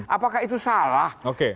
apakah itu salah